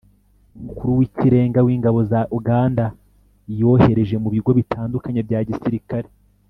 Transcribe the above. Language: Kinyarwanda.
umukuru w’ikirenga w’ingabo za Uganda yohereje mu bigo bitandukanye bya gisirikare